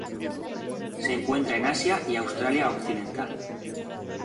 Se encuentra en Asia y Australia Occidental.